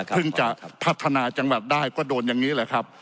จะพัฒนาจังหวัดได้ก็โดนอย่างนี้แหละครับ